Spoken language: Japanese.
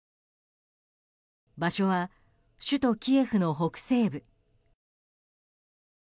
場所は首都キエフの北西部。